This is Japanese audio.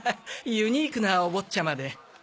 ユニークなお坊ちゃまで。